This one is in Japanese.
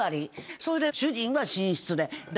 それで主人が寝室で。